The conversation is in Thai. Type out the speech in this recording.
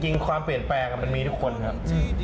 ความเปลี่ยนแปลงมันมีทุกคนครับ